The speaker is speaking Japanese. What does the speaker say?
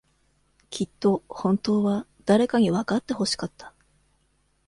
きっと、本当は、誰かにわかってほしかった。